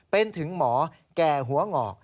เป็นถึงหมอแก่หัวหงอก